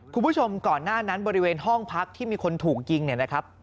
คุณผู้ชมก่อนหน้านั้นบริเวณห้องพักที่มีคนถูกยิงเนี่ยนะครับ